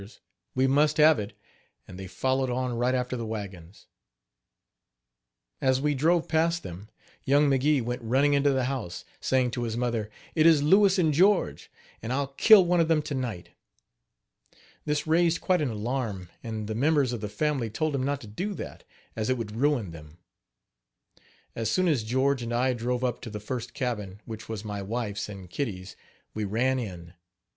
As we drove past them, young McGee went running into the house, saying to his mother: "It is Louis and George, and I'll kill one of them to night." This raised quite an alarm, and the members of the family told him not to do that, as it would ruin them. As soon as George and I drove up to the first cabin, which was my wife's and Kitty's, we ran in.